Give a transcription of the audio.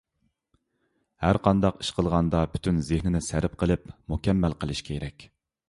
ھەر قانداق ئىش قىلغاندا پۈتۈن زېھنىنى سەرپ قىلىپ، مۇكەممەل قىلىش كېرەك.